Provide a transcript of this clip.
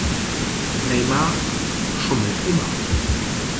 Neymar schummelt immer.